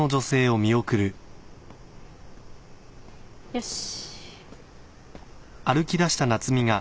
よし。